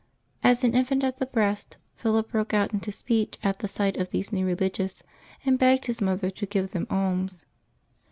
As an infant at the breast, Philip broke out into speech at the sight of these new religious, and begged his mother to give them alms.